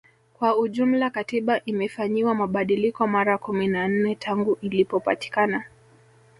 Kwa ujumla Katiba imefanyiwa mabadiliko mara kumi na nne tangu ilipopatikana